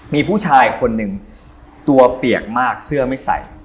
มีผู้ชายคนหนึ่งตัวเปียกมากเสื้อไม่ใส่